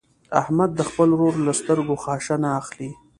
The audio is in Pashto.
احمده د خپل ورور له سترګو خاشه نه اخلي.